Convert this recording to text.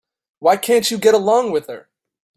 Why can't you get along with her?